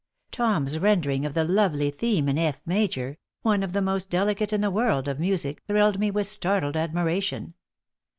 Tom's rendering of the lovely theme in F major, one of the most delicate in the world of music, thrilled me with startled admiration.